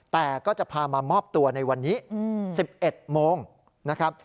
แต่ก็จะพามามอบตัวในวันนี้๑๑โมงนะครับ